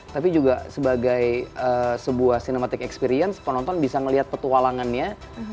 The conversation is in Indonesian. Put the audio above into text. tapi juga sebagai sebuah cinematic experience penonton bisa melihat petualangannya